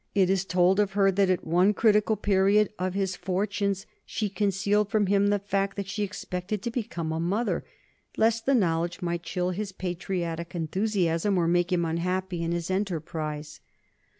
It is told of her that at one critical period of his fortunes she concealed from him the fact that she expected to become a mother, lest the knowledge might chill his patriotic enthusiasm or make him unhappy in his enterprise.